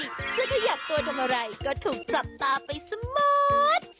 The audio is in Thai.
แล้วถ้าอยากตัวทำอะไรก็ถูกจับตาไปสมด